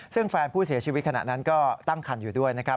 ซึ่งแฟนผู้เสียชีวิตขณะนั้นก็ตั้งคันอยู่ด้วยนะครับ